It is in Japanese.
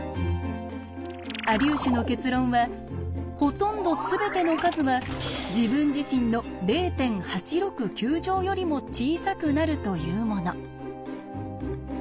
アリューシュの結論は「ほとんどすべての数は自分自身の０．８６９乗よりも小さくなる」というもの。